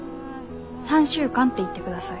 ３週間って言ってください。